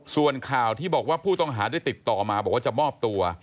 ส่วนข่าวที่บอกว่าผู้ต้องหาได้ติดต่อมาบอกว่าจะมอบตัว